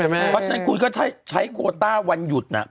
เพราะฉะนั้นคุณก็ใช้โคต้าวันหยุดน่ะ